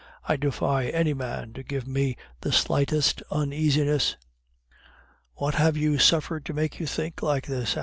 I defy any man to give me the slightest uneasiness." "What have you suffered to make you think like this?"